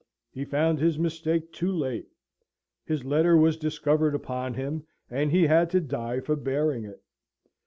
He found his mistake too late. His letter was discovered upon him, and he had to die for bearing it.